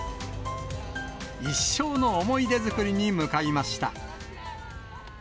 一生の思い出作りに向かいました。